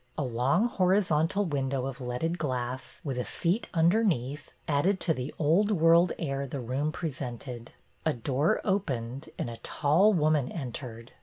A long hori zontal window of leaded glass, with a seat un derneath, added to the old world air the room presented. A door opened and a tall woman entered.